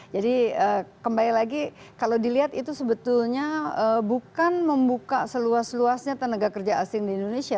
jadi kembali lagi kalau dilihat itu sebetulnya bukan membuka seluas luasnya tenaga kerja asing di indonesia